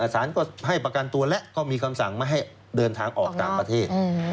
สารก็ให้ประกันตัวแล้วก็มีคำสั่งไม่ให้เดินทางออกต่างประเทศ